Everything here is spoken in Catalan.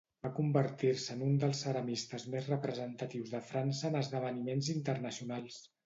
Va convertir-se en un dels ceramistes més representatius de França en esdeveniments internacionals.